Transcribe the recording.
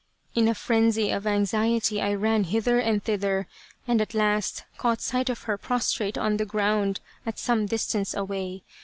In a frenzy of anxiety I ran hither and thither, and at last caught sight of her prostrate on the ground at some distance away.